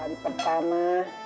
saur untuk hari pertama